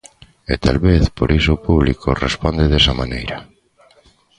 E talvez por iso o público responde desa maneira.